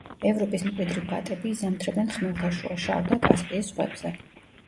ევროპის მკვიდრი ბატები იზამთრებენ ხმელთაშუა, შავ და კასპიის ზღვებზე.